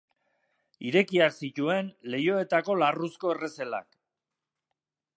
Irekiak zituen leihoetako larruzko errezelak.